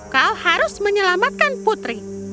kau harus menyelamatkan putri